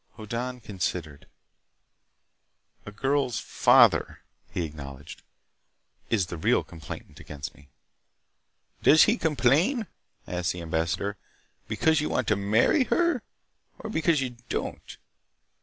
Hoddan considered. "A girl's father," he acknowledged, "is the real complainant against me." "Does he complain," asked the ambassador, "because you want to marry her, or because you don't?"